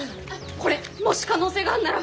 これもし可能性があんなら。